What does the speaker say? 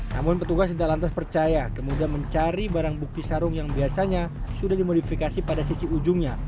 namun petugas tidak lantas percaya kemudian mencari barang bukti sarung yang biasanya sudah dimodifikasi pada sisi ujungnya